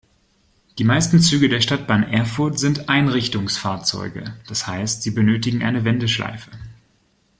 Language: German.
Die meisten Züge der Stadtbahn Erfurt sind Einrichtungsfahrzeuge, das heißt, sie benötigen eine Wendeschleife.